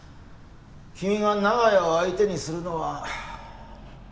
君が長屋を相手にするのは無理だ。